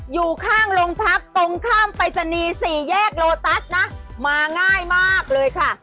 อยู่ข้างโรงพักตรงข้ามปริศนีย์สี่แยกโลตัสนะมาง่ายมากเลยค่ะ